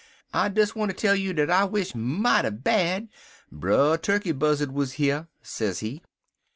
'I des wanter tell you dat I wish mighty bad Brer Tukkey Buzzard wuz here,' sezee.